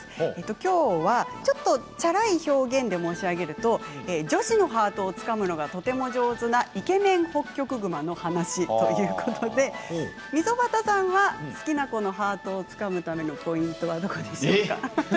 きょうは、チャラい表現で申し上げると女子のハートをつかむのがとても上手なイケメンホッキョクグマの話ということで溝端さんは好きな子のハートをつかむためのポイントはどこでしょうか。